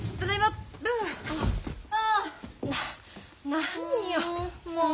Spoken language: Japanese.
何よもう。